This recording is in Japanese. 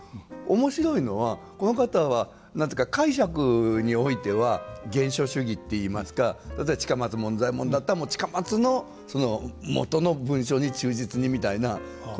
面白いのはこの方は解釈においては原書主義っていいますか例えば近松門左衛門だったら近松のもとの文章に忠実にみたいな。